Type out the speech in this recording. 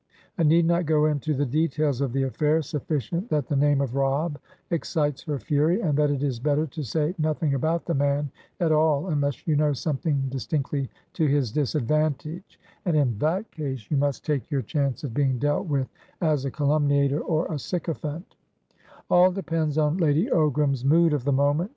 I need not go into the details of the affair; sufficient that the name of Robb excites her fury, and that it is better to say nothing about the man at all unless you know something distinctly to his disadvantageand, in that case, you must take your chance of being dealt with as a calumniator or a sycophant; all depends on Lady Ogram's mood of the moment.